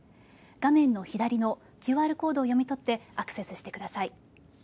画面の左のＱＲコードを読み取ってアクセスしてください。